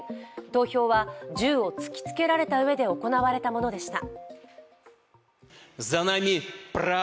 投票は銃を突きつけられたうえで行われたものでした。